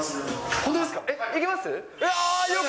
本当ですか？